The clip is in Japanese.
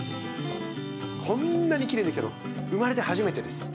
こんなにきれいにできたの生まれて初めてです。